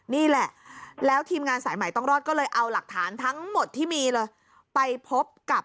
นี่แหละแล้วทีมงานสายใหม่ต้องรอดก็เลยเอาหลักฐานทั้งหมดที่มีเลยไปพบกับ